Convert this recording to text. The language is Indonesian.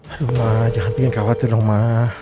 aduh ma jangan pengen khawatir dong ma